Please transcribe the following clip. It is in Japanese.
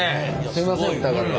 すいません疑って。